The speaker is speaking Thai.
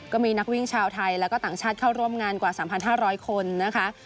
ก็มีนักวิ่งชาวไทยแล้วก็ต่างชาติเข้าร่วมงานกว่า๓๕๐๐คนนะคะ